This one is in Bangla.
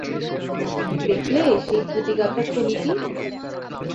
দেখলে সেই পুঁতি-গাঁথা থলিটি।